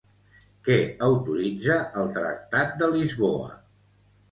Què autoritza el Tractat de Lisboa?